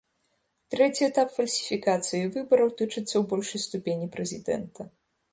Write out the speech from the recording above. Трэці этап фальсіфікацыі выбараў тычыцца ў большай ступені прэзідэнта.